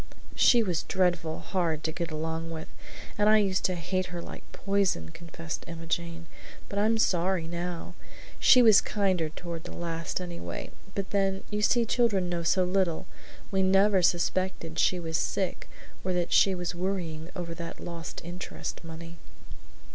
"She was dreadful hard to get along with, and I used to hate her like poison," confessed Emma Jane; "but I am sorry now. She was kinder toward the last, anyway, and then, you see children know so little! We never suspected she was sick or that she was worrying over that lost interest money."